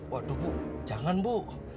waduh bu jangan bu